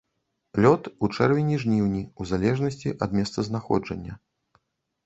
Лёт у чэрвені-жніўні ў залежнасці ад месцазнаходжання.